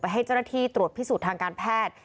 ให้เจ้าหน้าที่ตรวจพิสูจน์ทางการแพทย์